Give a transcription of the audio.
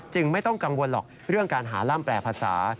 ไม่ต้องกังวลหรอกเรื่องการหาร่ำแปลภาษา